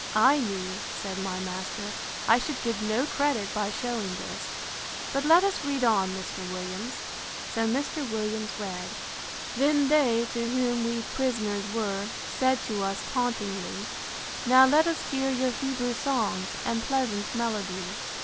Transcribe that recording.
I knew, said my master, I should get no credit by shewing this. But let us read on, Mr. Williams. So Mr. Williams read: III. Then they, to whom we pris'ners were, Said to us, tauntingly, Now let us hear your Hebrew songs, And pleasant melody.